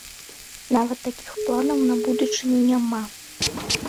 Нават такіх планаў на будучыню няма?